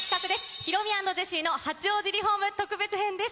ヒロミ＆ジェシーの八王子リホーム特別編です。